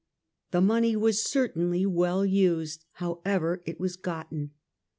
The money was certainly well used, however it was gotten.